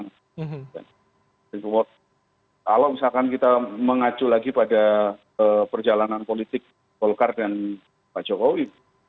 kalau misalkan kita mengacu lagi pada perjalanan politik golkar dan pak jokowi